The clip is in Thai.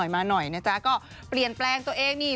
มาหน่อยนะจ๊ะก็เปลี่ยนแปลงตัวเองนี่